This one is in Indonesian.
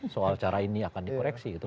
soal cara ini akan dikoreksi gitu